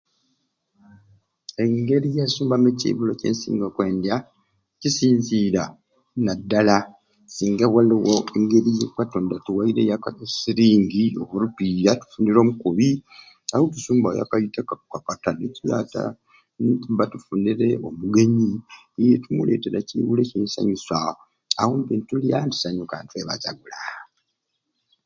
Engri gyensumbamu ekibulo kyensinga okwendya kisainzira naddala singa waliwo engeri okatonda atuwereyo akasilingi oba olupiiya tufunireyo omukubi awo tusumaba yo akaita ekiyata netuba tufunire omugenyi n'etumuletera ekibulo ekimusanyusa awo mbe netulya ne tusanyuka ne twebazagula